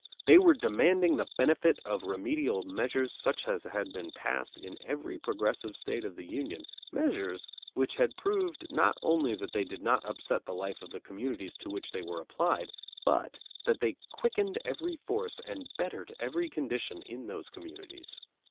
They were demanding the benefit of remedial measures such as had been passed in every progressive state of the Union, measures which had proved not only that they did not upset the life of the communities to which they were applied but that they quickened every force and bettered every condition in those communities.